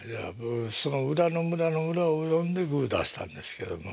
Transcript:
その裏の裏の裏を読んでグー出したんですけども。